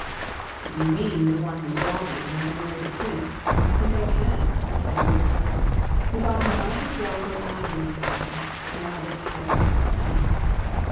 " If you mean the one whose daughter is go ing to marry the Prince, I think I can," replied the woodcutter, who thought he might as well go on being kind, now that he had once begun.